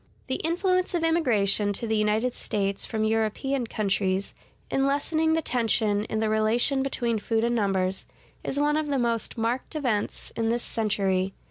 The influence of immigration to the United States from European countries, in lessening the tension in the relation between food and numbers, is one of the most marked events in this century.